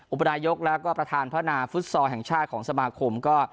อุปนายกแล้วก็ประธานพนาฟุตซอลแห่งชาติของสมาคมก็